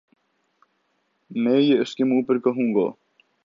میں یہ اسکے منہ پر کہوں گا